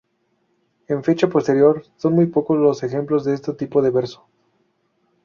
En fecha posterior, son muy pocos los ejemplos de este tipo de verso.